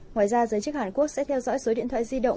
ngoài ra giới chức hàn quốc sẽ theo dõi số điện thoại di động